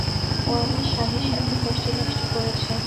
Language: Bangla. ও আমার স্বামীর সাথে ফষ্টিনষ্টি করেছে।